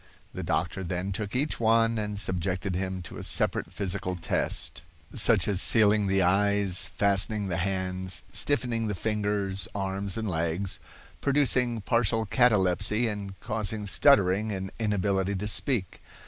The doctor then took each one and subjected him to a separate physical test, such as sealing the eyes, fastening the hands, stiffening the fingers, arms, and legs, producing partial catalepsy and causing stuttering and inability to speak.